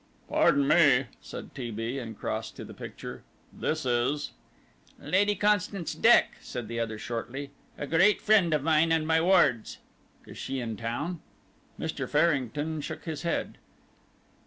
"Pardon me," said T. B., and crossed to the picture, "this is " "Lady Constance Dex," said the other, shortly "a great friend of mine and my ward's." "Is she in town?" Mr. Farrington shook his head.